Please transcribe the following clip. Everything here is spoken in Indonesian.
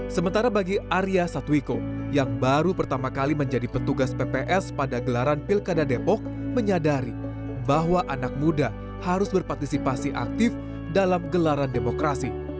sementara bagi arya satwiko yang baru pertama kali menjadi petugas pps pada gelaran pilkada depok menyadari bahwa anak muda harus berpartisipasi aktif dalam gelaran demokrasi